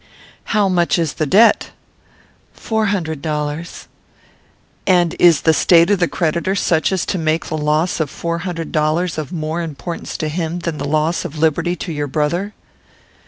"How much is the debt?" "Four hundred dollars." "And is the state of the creditor such as to make the loss of four hundred dollars of more importance to him than the loss of liberty to your brother?"